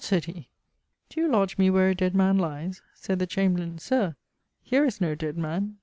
sayd he, 'do you lodge me where a dead man lies?' Sayd the chamberlain, 'Sir, here is no dead man.'